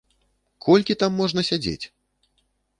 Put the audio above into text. Колькі там можна сядзець?